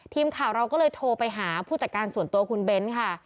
ทีมข่าวเราก็เลยโทรไปหาผู้จัดการส่วนตัวคุณเบ้นค่ะ